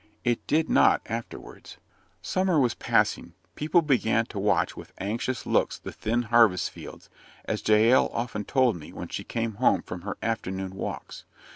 It did not afterwards. Summer was passing. People began to watch with anxious looks the thin harvest fields as Jael often told me, when she came home from her afternoon walks.